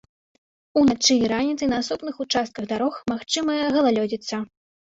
Уначы і раніцай на асобных участках дарог магчымая галалёдзіца.